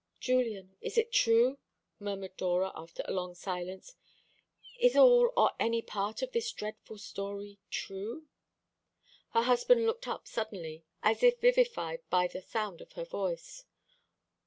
"Julian, is this true?" murmured Dora, after a long silence. "Is all or any part of this dreadful story true?" Her husband looked up suddenly, as if vivified by the sound of her voice.